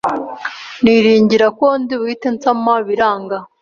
niringira ko ndi buhite nsama biranga,